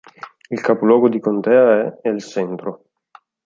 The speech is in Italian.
Il capoluogo di contea è El Centro.